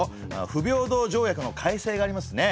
不平等条約の改正がありますね。